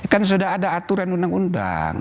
kan sudah ada aturan undang undang